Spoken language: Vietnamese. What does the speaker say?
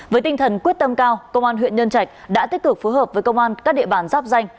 với tinh thần quyết tâm cao công an huyện nhân trạch đã tích cực phối hợp với công an các địa bàn giáp danh